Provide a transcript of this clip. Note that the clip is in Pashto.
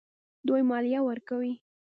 دوی مالیه ورکوي.